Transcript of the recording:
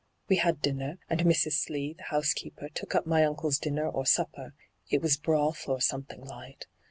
' We had dinner, and Mrs. Slee, the house keeper, took up my uncle's dinner or supper — it was broth, or something light.